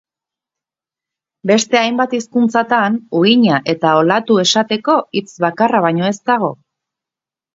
Beste hainbat hizkuntzatan uhina eta olatu esateko hitz bakarra baino ez dago.